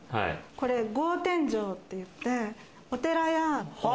格天井っていって、お寺や。